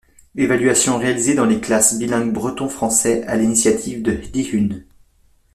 Évaluation réalisée dans les classes bilingues breton-français à l’initiative de Dihun.